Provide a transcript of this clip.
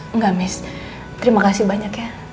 enggak miss terima kasih banyak ya